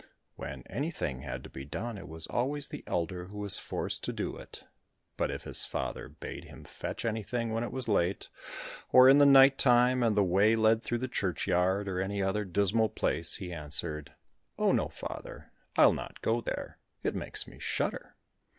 When anything had to be done, it was always the elder who was forced to do it; but if his father bade him fetch anything when it was late, or in the night time, and the way led through the churchyard, or any other dismal place, he answered "Oh, no, father, I'll not go there, it makes me shudder!"